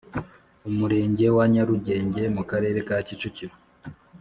Umurenge wa Nyarugenge mu Karere ka kicukiro